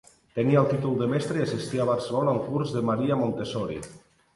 Tenia el títol de mestre i assistí a Barcelona a un curs de Maria Montessori.